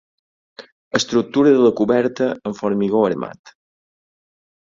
Estructura de la coberta en formigó armat.